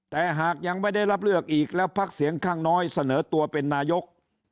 แต่หากยังไม่ได้รับเลือกอีกแล้วพักเสียงข้างน้อยเสนอตัวเป็นนายก